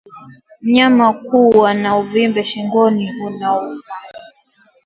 Mnyama kuwa na uvimbe shingoni unaouma